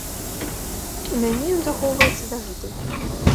У мяне ён захоўваецца дагэтуль.